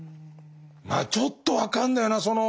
まあちょっと分かるんだよな。